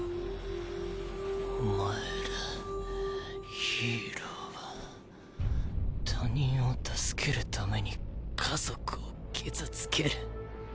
おまえらヒーローは他人を救ける為に家族を傷つける。